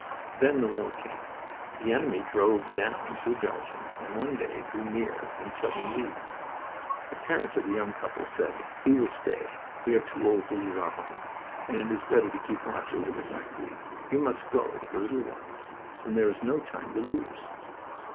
Then the war came. The enemy drove down through Belgium, and one day drew near and threatened Lille. The parents of the young couple said: "We will stay. We are too old to leave our home, and it is better to keep watch over the factory. You must go, with the little ones, and there is no time to lose."